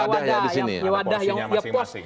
di sini ada wadah yang puas